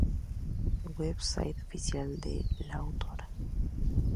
Website oficial de la autora